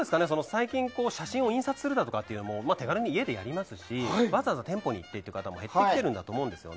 最近、写真を印刷するだとかも手軽に家でやれますしわざわざ店舗に行く方も減ってきてるんだと思うんですよ。